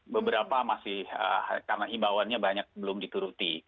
beberapa masih karena imbauannya banyak belum dituruti